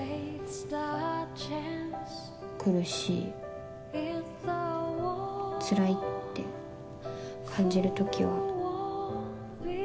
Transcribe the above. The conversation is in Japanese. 苦しいつらいって感じる時は。